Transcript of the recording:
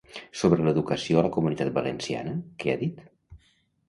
Sobre l'educació a la Comunitat Valenciana, què ha dit?